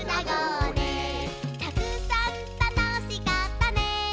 「たくさんたのしかったね」